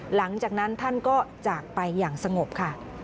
หลังจากนั้นท่านก็จากไปอย่างสงบค่ะ